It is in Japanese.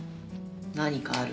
何かある。